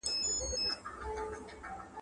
که وخت وي، ليکنه کوم؟